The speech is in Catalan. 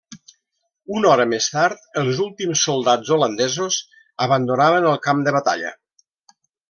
Una hora més tard, els últims soldats holandesos abandonaven el camp de batalla.